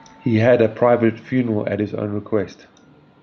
He had a private funeral at his own request.